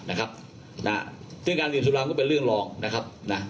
นะครับนะซึ่งการดื่มสุรามก็เป็นเรื่องรองนะครับนะ